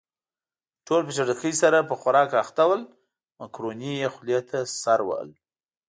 ټول په چټکۍ سره په خوراک اخته ول، مکروني يې خولې ته سر وهل.